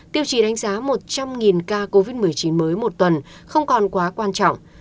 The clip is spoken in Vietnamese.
tiêu chí đánh giá một trăm linh ca covid một mươi chín mới một tuần không còn quá quan trọng